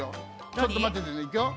ちょっとまっててねいくよ。